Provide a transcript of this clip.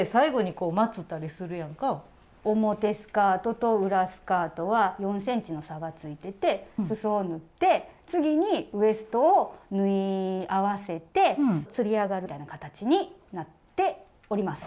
表スカートと裏スカートは４ｃｍの差がついててすそを縫って次にウエストを縫い合わせてつり上がるみたいな形になっております。